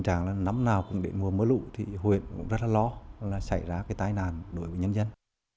trước mưa mưa lụ thì huyện cũng rất là lo là xảy ra cái tai nạn đổi của nhân dân